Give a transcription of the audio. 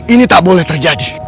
ini tak boleh terjadi